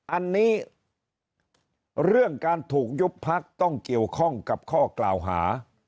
อันนี้เรื่องการถูกยุบพักต้องเกี่ยวข้องกับข้อกล่าวหา